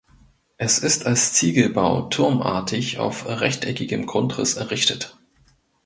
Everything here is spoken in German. Es ist als Ziegelbau turmartig auf rechteckigem Grundriss errichtet.